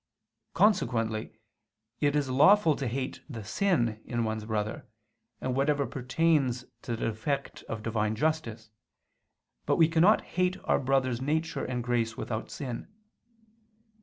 Consequently it is lawful to hate the sin in one's brother, and whatever pertains to the defect of Divine justice, but we cannot hate our brother's nature and grace without sin.